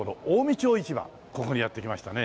ここにやって来ましたね。